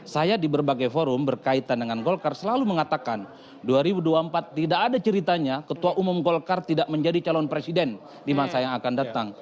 saya di berbagai forum berkaitan dengan golkar selalu mengatakan dua ribu dua puluh empat tidak ada ceritanya ketua umum golkar tidak menjadi calon presiden di masa yang akan datang